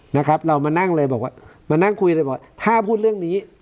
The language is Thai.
นะครับเรามานั่งเลยบอกว่ามานั่งคุยเลยบอกถ้าพูดเรื่องนี้